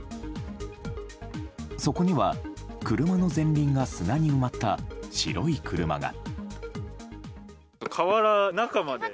そこには車の前輪が砂に埋まった白い車が。